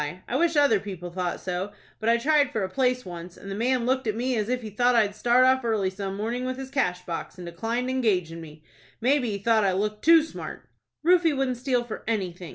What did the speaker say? I wish other people thought so; but I tried for a place once, and the man looked at me as if he thought I'd start off early some mornin' with his cash box, and declined engagin' me. Maybe he thought I looked too smart." "Rufie wouldn't steal for anything!"